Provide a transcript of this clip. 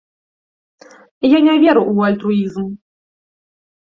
Я не веру ў альтруізм.